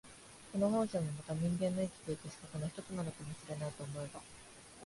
この本性もまた人間の生きて行く資格の一つなのかも知れないと思えば、